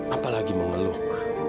apalagi mengeluh ma